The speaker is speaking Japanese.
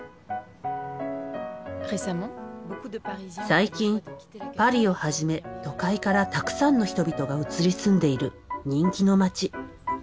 最近パリをはじめ都会からたくさんの人々が移り住んでいる人気の町。